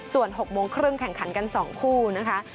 ส่วน๖โมงครึ่งแข่งขันกัน๒คู่นะคะ